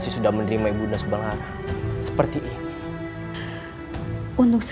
tapi kau tetap hidup